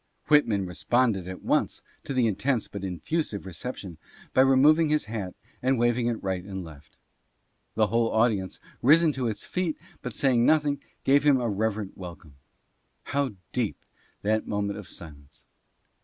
Whitman responded at once to the intense but ineffusive reception by removing his hat and waving it right and left. The whole audience, risen to its feet, but saying noth ing, gave him a reverent welcome. How deep that moment of silence